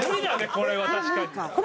これは確かに。